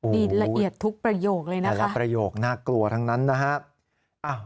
นี่ละเอียดทุกประโยคเลยนะแต่ละประโยคน่ากลัวทั้งนั้นนะฮะ